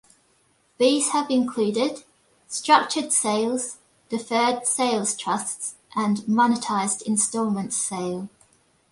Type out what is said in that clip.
These have included: Structured Sales, Deferred Sales Trusts and Monetized Installment Sale.